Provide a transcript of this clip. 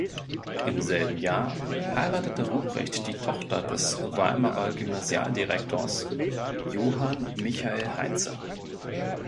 Im selben Jahr heiratete Ruprecht die Tochter des Weimarer Gymnasialdirektors Johann Michael Heintze.